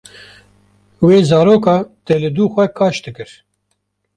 Wê zaroka te li du xwe kaş dikir.